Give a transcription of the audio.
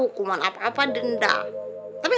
hukuman apa apa hukuman apa apa denda